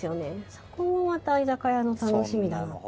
そこもまた居酒屋の楽しみだなって。